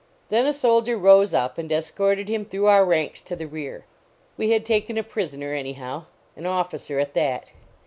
Then a soldier rose up and escorted him through our ranks to the rear. We had taken a prisoner, anyhow; an officer, at that.